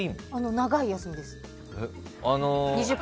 長い休みです。